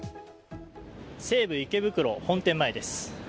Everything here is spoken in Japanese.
西武池袋本店前です。